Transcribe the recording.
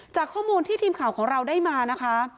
จากข้อมูลที่ทีมข่าวของเราได้มานะคะ